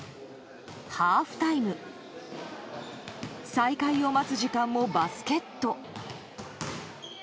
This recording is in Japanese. ハーフタイム再開を待つ時間もバスケット。